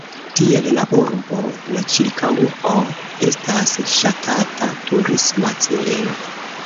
Tiel la urbo, la ĉirkaŭo estas ŝatata turisma celo.